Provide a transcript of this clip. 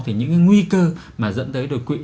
thì những cái nguy cơ mà dẫn tới đột quỵ